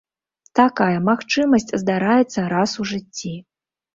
Такая магчымасць здараецца раз у жыцці.